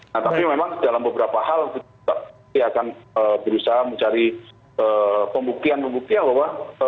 nah tapi memang dalam beberapa hal kita akan berusaha mencari pembuktian pembuktian bahwa